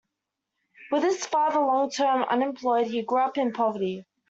With his father long-term unemployed, he grew up in poverty.